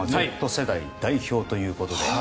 Ｚ世代代表ということで。